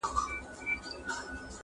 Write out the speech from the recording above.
کيسه د فکر سبب ګرځي تل,